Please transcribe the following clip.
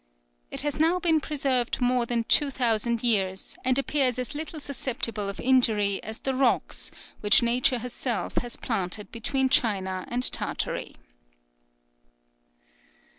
It has now been preserved more than two thousand years, and appears as little susceptible of injury as the rocks which nature herself has planted between China and Tartary."